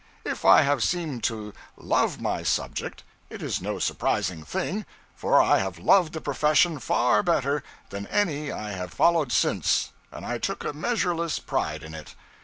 If I have seemed to love my subject, it is no surprising thing, for I loved the profession far better than any I have followed since, and I took a measureless pride in it.